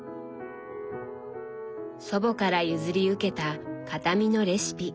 祖母から譲り受けた形見のレシピ。